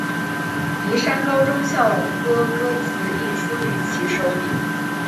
丽山高中校歌歌词亦出于其手笔。